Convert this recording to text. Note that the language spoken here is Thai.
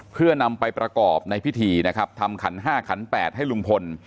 เพื่อนำไปประกอบในพิธีนะครับทำขันห้าขัน๘ให้ลุงพล